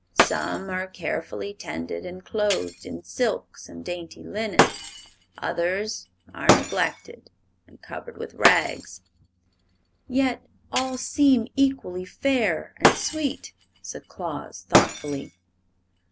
Some are carefully tended and clothed in silks and dainty linen; others are neglected and covered with rags." "Yet all seem equally fair and sweet," said Claus, thoughtfully.